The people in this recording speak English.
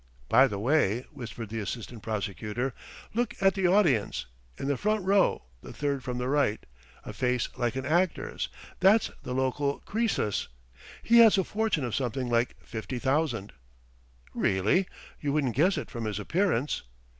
"By the way," whispered the assistant prosecutor, "look at the audience, in the front row, the third from the right ... a face like an actor's ... that's the local Croesus. He has a fortune of something like fifty thousand." "Really? You wouldn't guess it from his appearance.